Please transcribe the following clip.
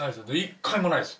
１回もないです